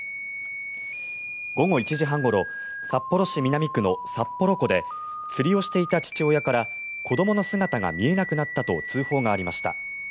午後１時半ごろ札幌南区のさっぽろ湖で釣りをしていた父親から子どもの姿が見えなくなったと通報がありました。